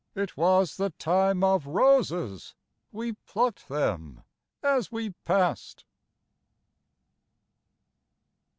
It was the Time of Roses, We plucked them as we pass'd!